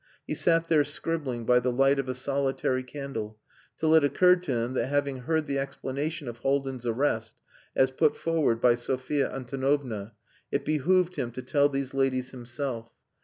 He sat there scribbling by the light of a solitary candle, till it occurred to him that having heard the explanation of Haldin's arrest, as put forward by Sophia Antonovna, it behoved him to tell these ladies himself.